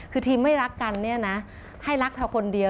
คือทีมไม่รักกันเนี่ยนะให้รักเธอคนเดียว